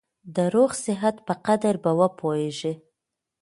د روغ صحت په قدر به وپوهېږې !